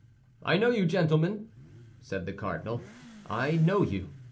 "I know you, gentlemen," said the cardinal, "I know you.